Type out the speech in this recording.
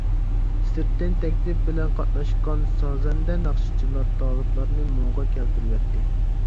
سىرتتىن تەكلىپ بىلەن قاتناشقان سازەندە، ناخشىچىلار تالىپلارنى مۇڭغا كەلتۈرۈۋەتتى.